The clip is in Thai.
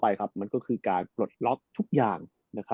มันก็คือการปลดล็อกทุกอย่าง